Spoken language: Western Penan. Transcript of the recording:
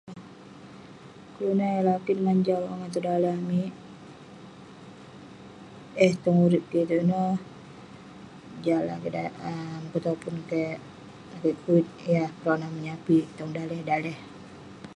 kelunan yah lakin ngan jau rongah tong daleh amik, eh tong urip kik itouk ineh, jah mukun topun keik, Lakeik Kuit yah eh peronah menyapik tong daleh daleh.